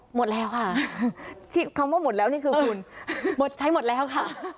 หมดแล้วค่ะคำว่าหมดแล้วนี่คือคุณหมดใช้หมดแล้วค่ะ